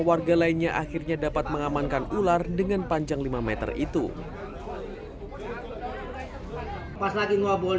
warga lainnya akhirnya dapat mengamankan ular dengan panjang lima meter itu pas lagi ngobrol